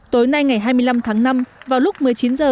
tối nay ngày hai mươi năm tháng năm vào lúc một mươi chín h